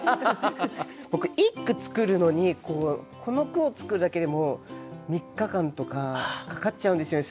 僕一句作るのにこの句を作るだけでも３日間とかかかっちゃうんですよね